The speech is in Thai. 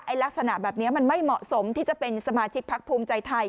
ลักษณะแบบนี้มันไม่เหมาะสมที่จะเป็นสมาชิกพักภูมิใจไทย